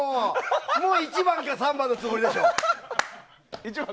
もう１番か３番のつもりだし。